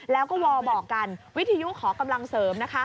แล้วก็วอลบอกกันวิทยุขอกำลังเสริมนะคะ